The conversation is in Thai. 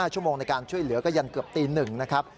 ชั่วโมงในการช่วยเหลือก็ยันเกือบตี๑นะครับ